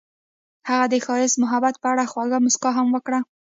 هغې د ښایسته محبت په اړه خوږه موسکا هم وکړه.